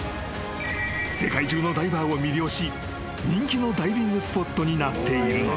［世界中のダイバーを魅了し人気のダイビングスポットになっているのだ］